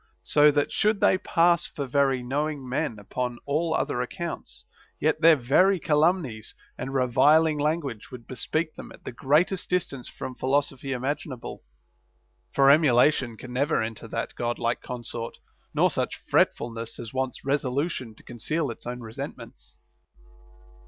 So that, should they pass for very knowing men upon all other accounts, yet their very calumnies and reviling lan guage would bespeak them at the greatest distance from philosophy imaginable. For emulation can never enter that God like consort, nor such fretfulness as wants resolu tion to conceal its own resentments.